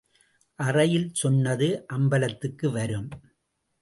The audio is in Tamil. அறையில் சொன்னது அம்பலத்துக்கு வரும்.